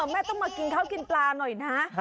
แม่ต้องมากินข้าวกินปลาหน่อยนะ